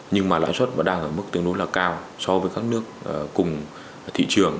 nhưng mà lãi suất vẫn đang ở mức tương đối là cao so với các nước cùng thị trường